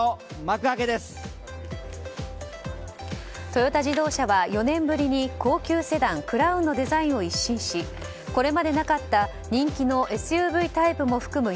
トヨタ自動車は４年ぶりに高級セダンクラウンのデザインを一新しこれまでなかった人気のＳＵＶタイプも含む